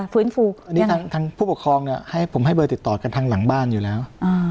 ฟื้นฟูอันนี้ทางผู้ปกครองเนี่ยให้ผมให้เบอร์ติดต่อกันทางหลังบ้านอยู่แล้ว